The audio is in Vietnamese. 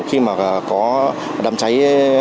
khi mà có đám cháy